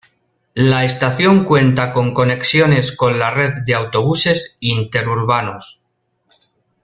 La estación cuenta con conexiones con la red de autobuses interurbanos.